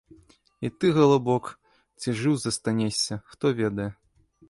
І ты, галубок, ці жыў застанешся, хто ведае.